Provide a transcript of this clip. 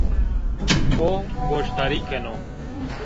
O goşdarî keno